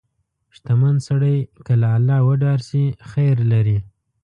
• شتمن سړی که له الله وډار شي، خیر لري.